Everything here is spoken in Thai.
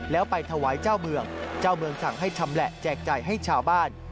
แล้วไปถวายเจ้าเมืองเจ้าเมืองสั่งให้ชำแหละแจกจ่ายให้ชาวบ้าน